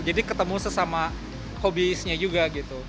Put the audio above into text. jadi ketemu sesama hobisnya juga gitu